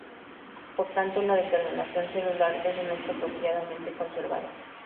Por tanto, la determinación celular es un hecho apropiadamente conservado.